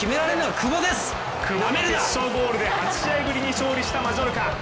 久保の決勝ゴールで８試合ぶりに勝利したマジョルカ。